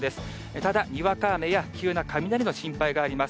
ただにわか雨や急な雷の心配があります。